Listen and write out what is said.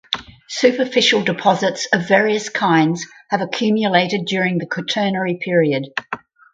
Superficial deposits of various kinds have accumulated during the Quaternary period.